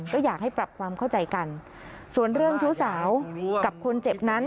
ก็อยากให้ปรับความเข้าใจกันส่วนเรื่องชู้สาวกับคนเจ็บนั้น